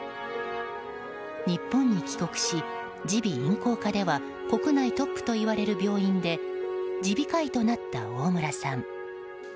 日本に帰国し、耳鼻咽頭科では国内トップといわれる病院で耳鼻科医となった大村さん。